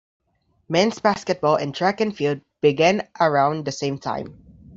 Men's basketball and track and field began around the same time.